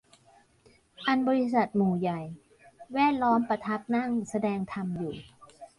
อันบริษัทหมู่ใหญ่แวดล้อมประทับนั่งแสดงธรรมอยู่